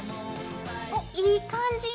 おっいい感じ！